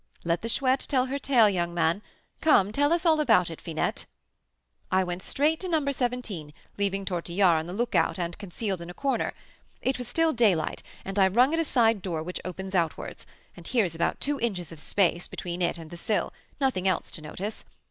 "Let the Chouette tell her tale, young man. Come, tell us all about it, Finette." "I went straight to No. 17, leaving Tortillard on the lookout and concealed in a corner. It was still daylight, and I rung at a side door which opens outwards, and here's about two inches of space between it and the sill; nothing else to notice.